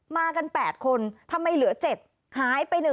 มากัน๘คนทำไมเหลือ๗หายไป๑